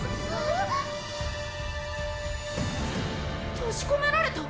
「とじこめられた⁉」